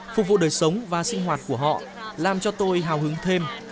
phục vụ đời sống và sinh hoạt của họ làm cho tôi hào hứng thêm